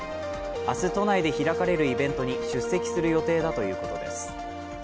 明日、都内で開かれるイベントに出席する予定だということです。